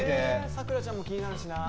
さくらちゃんも気になるしな。